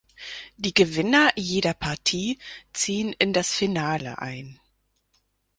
Die Gewinner jeder Partie ziehen in das Finale ein.